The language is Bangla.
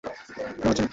না, পাচ্ছি না।